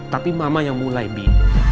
tapi mama yang mulai bingung